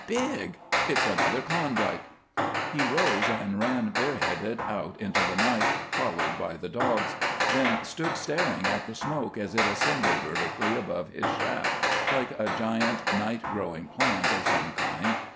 Big! It's another Klondike." He rose and ran bareheaded out into the night, followed by the dogs, then stood staring at the smoke as it ascended vertically above his shaft, like a giant night growing plant of some kind.